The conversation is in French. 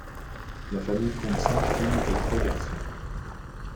La famille compte cinq filles et trois garçons.